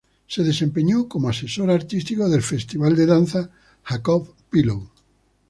Se desempeñó como asesor artístico del Festival de Danza Jacob Pillow.